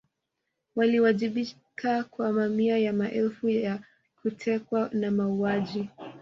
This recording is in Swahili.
Waliwajibika kwa mamia ya maelfu ya kutekwa na mauaji